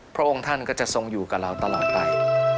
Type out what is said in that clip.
พระองค์ท่านก็จะทรงอยู่กับเราตลอดไป